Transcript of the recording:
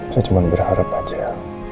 saya cuman berharap aja